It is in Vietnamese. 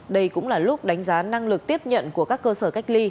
đây cũng là lúc đánh giá năng lực tiếp nhận của các cơ sở cách ly